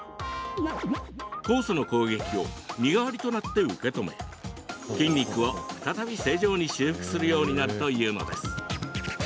酵素の攻撃を身代わりとなって受け止め筋肉を再び正常に修復するようになるというのです。